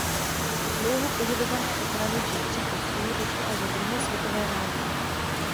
K dlouho požadované opravě všech tří kostelů došlo až za druhé světové války.